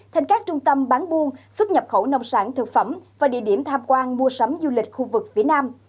thành các trung tâm bán buôn xuất nhập khẩu nông sản thực phẩm và địa điểm tham quan mua sắm du lịch khu vực phía nam